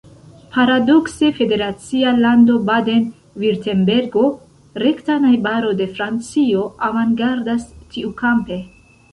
Paradokse, federacia lando Baden-Virtembergo, rekta najbaro de Francio, avangardas tiukampe.